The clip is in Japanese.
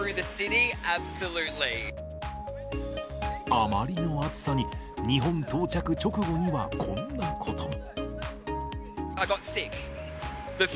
あまりの暑さに、日本到着直後には、こんなことも。